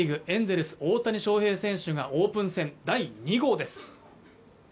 エンゼルス大谷翔平選手がオープン戦第２号です